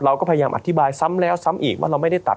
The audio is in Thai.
เราก็พยายามอธิบายซ้ำแล้วซ้ำอีกว่าเราไม่ได้ตัด